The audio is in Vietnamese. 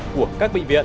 của các bệnh viện